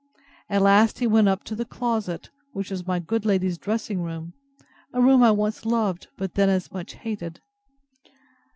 At last he went up to the closet, which was my good lady's dressing room; a room I once loved, but then as much hated.